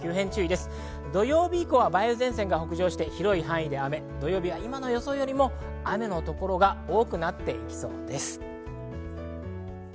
土曜日以降は梅雨前線が北上し、広い範囲で雨、土曜日は予想よりも雨の所が多くなっていきそうです。